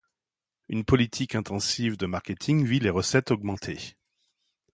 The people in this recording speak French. Une politique intensive de marketing vit les recettes augmenter.